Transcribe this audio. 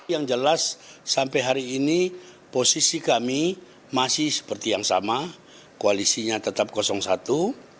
yang jelas sampai hari ini posisi kami masih seperti yang sama koalisinya tetap kosong satu